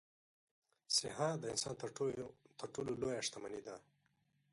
صحه د انسان تر ټولو لویه شتمني ده.